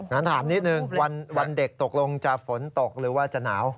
งั้นถามนิดนึงวันเด็กตกลงจะฝนตกหรือว่าจะหนาว